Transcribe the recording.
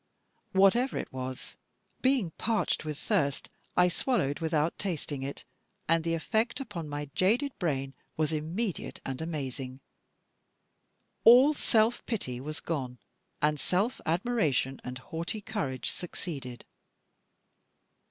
Whatever it was, being parched with thirst, I swallowed without tasting it, and the effect upon my jaded brain was immediate and amazing. All self pity was gone; and self admiration, and haughty courage succeeded.